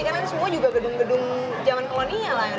karena kan semua juga gedung gedung zaman kolonial ya